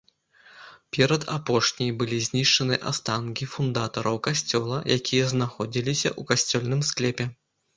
Перад апошняй былі знішчаны астанкі фундатараў касцёла, якія знаходзіліся ў касцельным склепе.